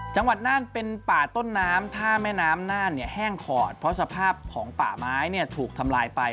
น่านเป็นป่าต้นน้ำถ้าแม่น้ำน่านแห้งขอดเพราะสภาพของป่าไม้ถูกทำลายไป